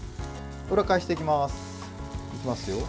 裏返していきます。